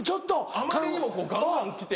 あまりにもガンガン来て。